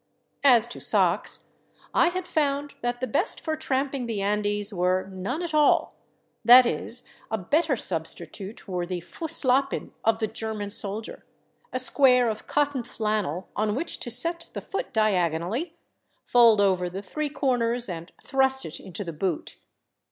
As to socks, I had found that the best for tramp ing the Andes were none at all; that is, a better substitute were the " f usslappen " of the German soldier, — a square of cotton flannel on which to set the foot diagonally, fold over the three corners, and thrust it into the boot.